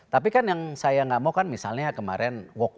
tapi kan yang saya gak mau kan misalnya kemarin walk away